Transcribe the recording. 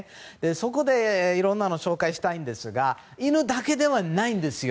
そこで、いろんなのを紹介したいんですが犬だけではないんですよ。